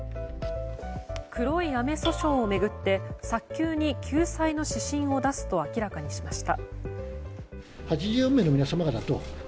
黒い雨訴訟を巡って早急に救済の指針を出すと明らかにしました。